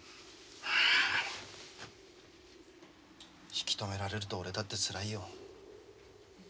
引き止められると俺だってつらいよ。